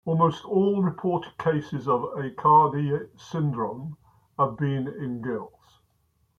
Almost all reported cases of Aicardi syndrome have been in girls.